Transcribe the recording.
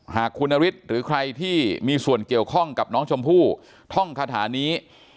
หากคุณนฤทธิ์หรือใครที่มีส่วนเกี่ยวข้องกับน้องชมพู่ท่องคาถานี้